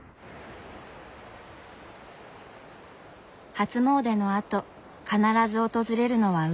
初詣のあと必ず訪れるのは海。